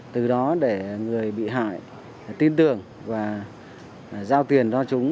từ đó để người bị hại tin tưởng và giao tiền cho chúng